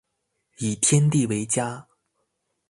以天地为家